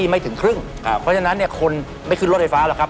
เพราะฉะนั้นคนไม่ขึ้นรถไฟฟ้าหรอกครับ